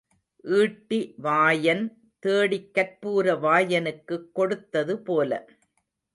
ஈட்டி வாயன் தேடிக் கற்பூர வாயனுக்குக் கொடுத்தது போல.